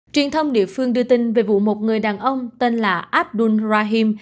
truyền thông địa phương đưa tin về vụ một người đàn ông tên là abdul rahim